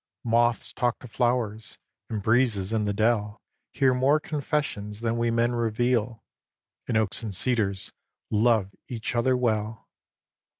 Moths talk to flowers; and breezes in the dell Hear more confessions than we men reveal; And oaks and cedars love each other well.